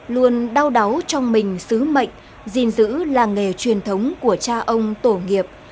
luôn đau đáu trong mình sứ mệnh gìn giữ làng nghề truyền thống của cha ông tổ nghiệp